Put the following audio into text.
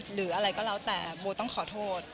หรืออะไรก็แล้วแต่โบต้องขอโทษ